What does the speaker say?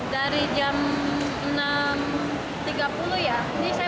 ternyata ada lampunya mati